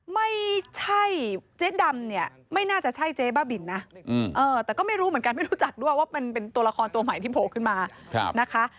ไม่ใช่เจ๊ดำเนี่ยไม่น่าจะใช่เจ๊บ้าบินนะแต่ก็ไม่รู้เหมือนกันไม่รู้จักด้วยว่ามันเป็นตัวละครตัวใหม่ที่โผล่ขึ้นมานะคะ